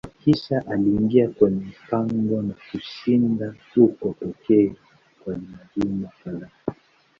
Kisha aliingia kwenye pango na kushinda huko pekee kwa majuma kadhaa.